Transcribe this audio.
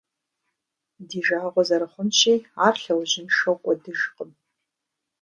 Ди жагъуэ зэрыхъунщи, ар лъэужьыншэу кӏуэдыжкъым.